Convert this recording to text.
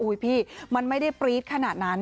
พี่มันไม่ได้ปรี๊ดขนาดนั้น